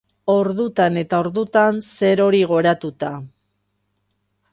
Ordutan eta ordutan zer hori goratuta.